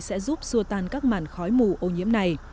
sẽ giúp xua tan các màn khói mù ô nhiễm này